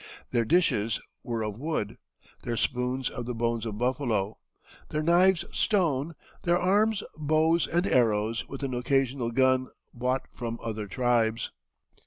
Their dishes were of wood, their spoons of the bones of buffalo, their knives stone, their arms, bows and arrows with an occasional gun bought from other tribes.